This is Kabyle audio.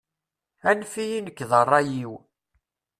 Anef-iyi nekk d rray-iw.